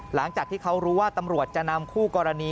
หลังจากที่เขารู้ว่าตำรวจจะนำคู่กรณี